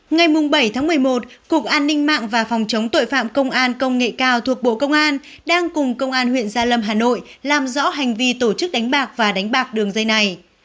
ngày bảy một mươi một cục an ninh mạng và phòng chống tội phạm công an công nghệ cao thuộc bộ công an đang cùng công an huyện gia lâm hà nội làm rõ hành vi tổ chức đánh bạc và đánh bạc đường dây này